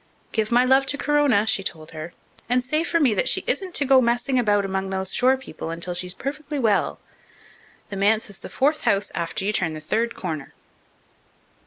"Give my love to Corona," she told her, "and say for me that she isn't to go messing about among those shore people until she's perfectly well. The manse is the fourth house after you turn the third corner."